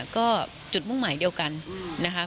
ก็จุดมุ่งหมายเดียวกันนะคะ